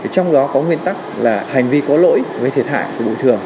trong đó có nguyên tắc là hành vi có lỗi gây thiệt hại của bồi thường